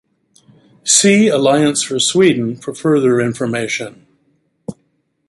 See Alliance for Sweden for further information.